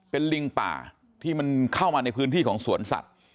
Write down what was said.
เป็นลิงป่าที่มันเข้ามาในพื้นที่ของสวนสัตว์